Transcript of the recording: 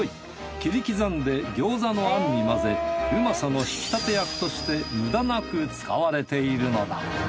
切り刻んで餃子の餡に混ぜ美味さの引き立て役として無駄なく使われているのだ。